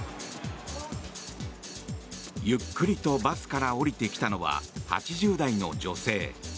ゆっくりとバスから降りてきたのは８０代の女性。